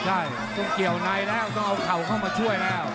ใช่ต้องเกี่ยวในแล้วต้องเอาเข่าเข้ามาช่วยแล้ว